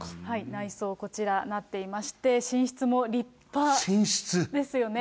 内装こちらになっていまして、寝室。ですよね。